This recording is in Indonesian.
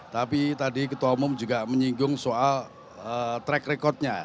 tapi tadi ketua umum juga menyinggung soal track recordnya